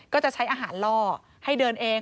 ก็จะใช้อาหารล่อให้เดินเอง